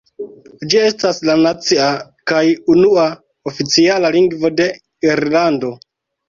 Ĝi estas la nacia kaj unua oficiala lingvo de Irlando.